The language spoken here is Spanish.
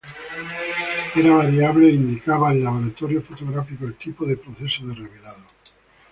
Era variable e indicaba al laboratorio fotográfico el tipo de proceso de revelado.